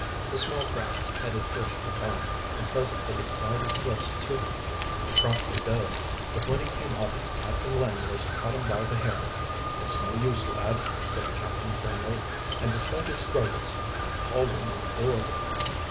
The small craft headed first for Tom, and presently it glided close to him. He promptly dove, but when he came up Captain Langless caught him by the hair. "It's no use, lad," said the captain firmly, and despite his struggles hauled him on board.